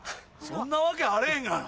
そんなわけあれへんがな。